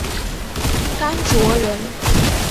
甘卓人。